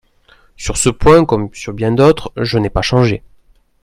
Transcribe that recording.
Sur ce point comme sur bien d'autres, je n'ai pas changé.